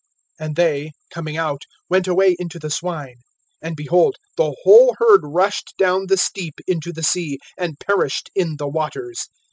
And they, coming out, went away into the swine; and, behold, the whole herd rushed down the steep into the sea, and perished in the waters.